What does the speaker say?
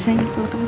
saya gitu tuh